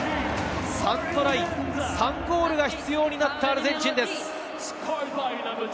３トライ３ゴールが必要になったアルゼンチンです。